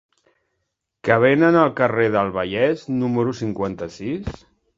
Què venen al carrer del Vallès número cinquanta-sis?